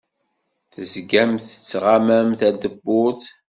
Tezgamt tettɣamamt ar tewwurt.